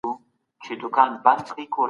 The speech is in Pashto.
دا اثار د پوهاوي هڅه ده.